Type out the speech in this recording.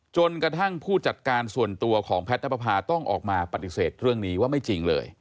จนกระทั่งผู้จัดการส่วนตัวของแพทภาต้องออกมาปฏิเสธเรื่องนี้ว่าไม่จริงเลย